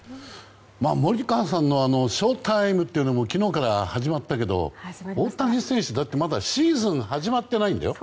森川さんのＳＨＯＴＩＭＥというのも昨日から始まったけど大谷選手、まだシーズン始まってないんだよ。